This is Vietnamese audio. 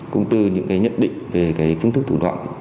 công tư những cái nhận định về cái phương thức thủ đoạn